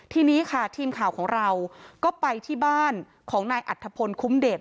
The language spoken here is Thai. ทีนี้ค่ะทีมข่าวของเราก็ไปที่บ้านของนายอัธพลคุ้มเดช